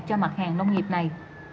cho mặt hàng nông nghiệp này